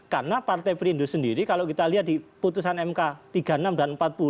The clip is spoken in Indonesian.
karena partai perindo sendiri kalau kita lihat di putusan mk tiga puluh enam dan empat puluh